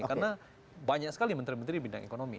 karena banyak sekali menteri menteri di bidang ekonomi